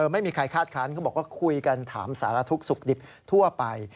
ไม่มีใครคาดคันเขาบอกว่าคุยกันถามสารทุกข์สุขดิบทั่วไป